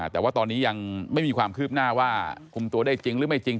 แต่ว่าตอนนี้ยังไม่มีความคืบหน้าว่าคุมตัวได้จริงหรือไม่จริง